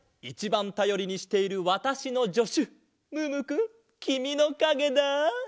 いちばんたよりにしているわたしのじょしゅムームーくんきみのかげだ！